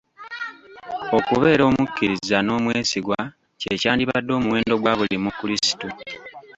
Okubeera omukiriza n'omwesigwa kye kyandibadde omuwendo gwa buli mu kulisitu.